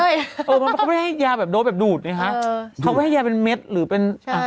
เขาก็ไม่ให้ยาโดดแบบดูดเขาก็ให้ยาเป็นเม็ดหรือเป็นยา